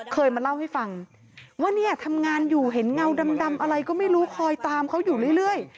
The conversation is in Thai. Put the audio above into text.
เคยมาเล่าให้ฟังว่าเนี่ยทำงานอยู่เห็นเงาดำอะไรก็ไม่รู้คอยตามเขาอยู่เรื่อย